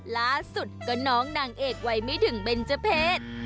ล่าสุดก็น้องนางเอกวัยไม่ถึงเบนเจอร์เพศ